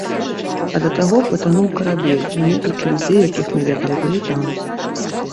А да таго патануў карабель, і некалькі людзей, якіх мы ведалі, былі там.